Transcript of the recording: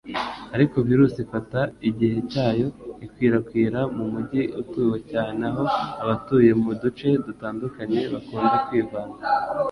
Ariko virusi ifata igihe cyayo ikwirakwira mu mijyi ituwe cyane aho abatuye mu duce dutandukanye bakunda kwivanga